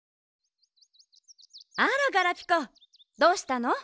あらガラピコどうしたの？